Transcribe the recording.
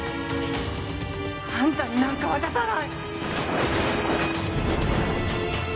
あんたになんか渡さない！